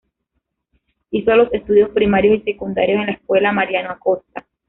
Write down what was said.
Hizo los estudios primarios y secundarios en la Escuela Mariano Acosta.